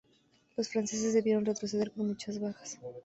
Los franceses debieron retroceder con muchas bajas.